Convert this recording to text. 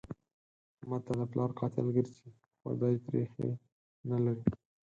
احمد ته د پلار قاتل ګرځي؛ خو دی تريخی نه لري.